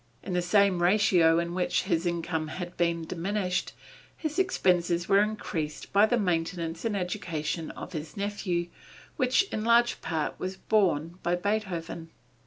In the same ratio in which his income had been diminished, his expenses were increased by the maintenance and education of his nephew, which in large part was borne by Beethoven.